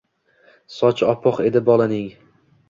Sochi oppoq edi bolaning.